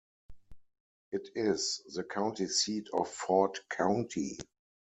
It is the county seat of Ford County.